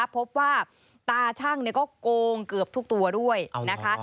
พบว่าตาชั่งก็โกงเกือบทุกตัวด้วยนะคะ